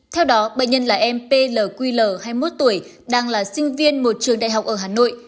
theo đó bệnh nhân là em plql hai mươi một tuổi đang là sinh viên một trường đại học ở hà nội